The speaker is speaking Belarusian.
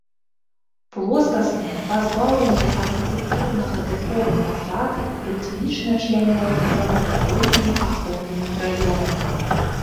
Плоскасныя, пазбаўленыя архітэктурнага дэкору фасады рытмічна члянёны прамавугольнымі аконнымі праёмамі.